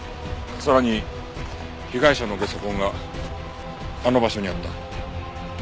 さらに被害者のゲソ痕があの場所にあった。